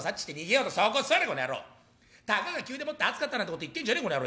たかが灸でもって熱かったなんてこと言ってんじゃねえこの野郎。